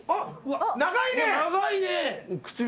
長いね。